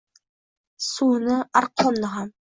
Suvni, arqonni ham